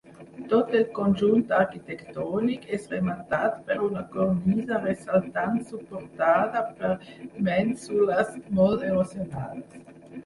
Tot el conjunt arquitectònic és rematat per una cornisa ressaltant suportada per mènsules molt erosionades.